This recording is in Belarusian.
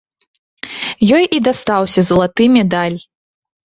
Ёй і дастаўся залаты медаль.